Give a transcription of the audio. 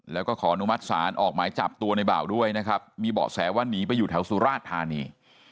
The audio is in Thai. แล้วก็ขออนุมัติศาลออกหมายจับตัวในบ่าวด้วยนะครับมีเบาะแสว่าหนีไปอยู่แถวสุราชธานี